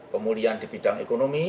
pemulihan di bidang ekonomi